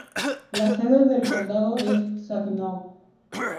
La sede del condado es Saginaw.